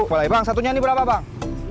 boleh bang satunya ini berapa bang